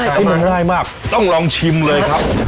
อ้าวมันไล่มากต้องลองชิมเลยครับ